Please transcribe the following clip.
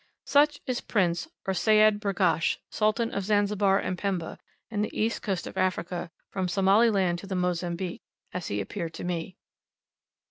Such is Prince, or Seyd Burghash, Sultan of Zanzibar and Pemba, and the East coast of Africa, from Somali Land to the Mozambique, as he appeared to me.